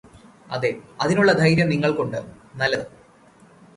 അതെ അതിനുള്ള ധൈര്യം നിങ്ങൾക്കുണ്ട് നല്ലത്